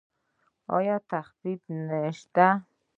ایا تخفیف شته؟